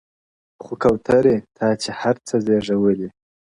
• خو کوتري تا چي هر څه زېږولي -